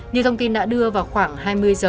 như thông tin đã đưa vào khoảng hai mươi h